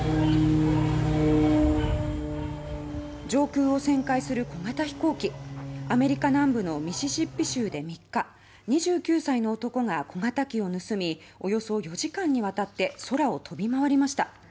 上空を旋回する小型飛行機アメリカ南部のミシシッピ州で３日２９歳の男が小型機を盗みおよそ４時間にわたって空を飛び回りました。